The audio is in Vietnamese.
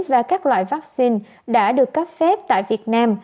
và các loại vaccine đã được cấp phép tại việt nam